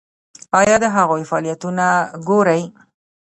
ایا د هغوی فعالیتونه ګورئ؟